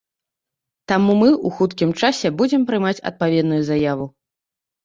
Таму мы ў хуткім часе будзем прымаць адпаведную заяву.